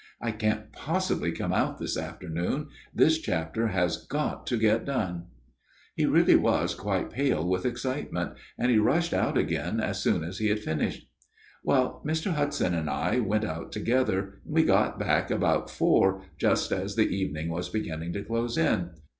I can't possibly come out this afternoon ; this chapter has got to get done.' " He really was quite pale with excitement, and he rushed out again as soon as he had finished. " Well, Mr. Hudson and I went out together, and we got back about four, just as the evening was beginning to close in.